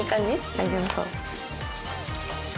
大丈夫そう？